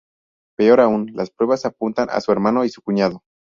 Peor aún, las pruebas apuntan a su hermano y su cuñado.